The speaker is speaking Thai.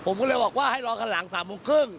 ผมก็เลยบอกว่าให้รอคันหลัง๓โมงครึ่ง